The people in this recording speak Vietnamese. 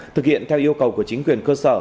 thực hiện theo yêu cầu của chính quyền cơ sở